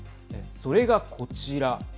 それがこちら。